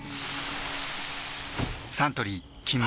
サントリー「金麦」